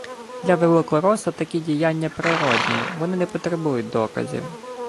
Для великороса такі діяння природні, вони не потребують доказів